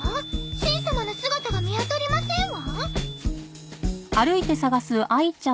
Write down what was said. しん様の姿が見当たりませんわ。